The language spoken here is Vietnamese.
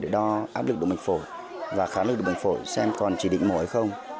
để đo áp lực đụng bệnh phổi và khám lực đụng bệnh phổi xem còn chỉ định mổ hay không